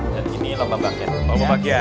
dan ini lomba bakiak